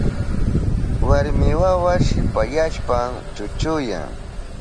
Warmi wawa shipasyashpan chuchuyan.